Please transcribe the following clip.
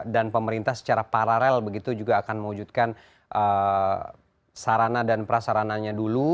dan pemerintah secara paralel begitu juga akan mewujudkan sarana dan prasarananya dulu